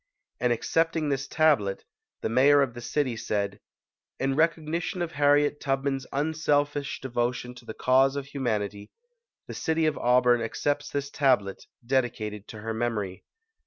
In accepting this tablet, the mayor of the city said, "In recognition of Harriet Tubman's unselfish devotion to the cause of hu manity, the city of Auburn accepts this tablet dedicated to her memory".